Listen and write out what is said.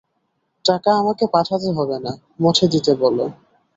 টাকা আমাকে পাঠাতে হবে না, মঠে দিতে বলো।